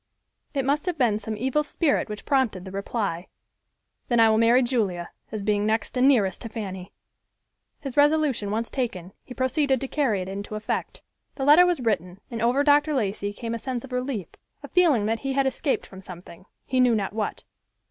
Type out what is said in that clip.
It must have been some evil spirit which prompted the reply, "Then I will marry Julia, as being next and nearest to Fanny." His resolution once taken, he proceeded to carry it into effect. The letter was written and over Dr. Lacey came a sense of relief—a feeling that he had escaped from something, he knew not what.